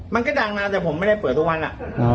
มันก็ดังนะแต่ผมไม่ได้เปิดทุกวันอ่ะ